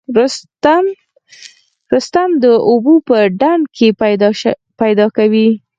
رستم د اوبو په ډنډ کې پیدا کوي.